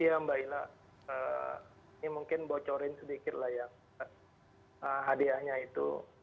iya mbak ila ini mungkin bocorin sedikit lah ya hadiahnya itu